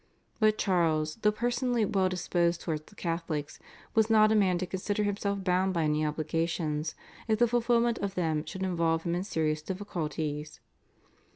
But Charles, though personally well disposed towards the Catholics, was not a man to consider himself bound by any obligations if the fulfilment of them should involve him in serious difficulties.